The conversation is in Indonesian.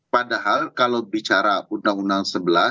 padahal kalau bicara undang undang sebelas dua ribu sembilan